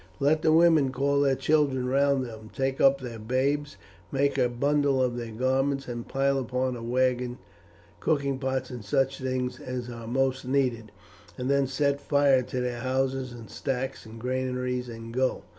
Let the women call their children round them, take up their babes, make a bundle of their garments, and pile upon a wagon cooking pots and such things as are most needed, and then set fire to their houses and stacks and granaries and go.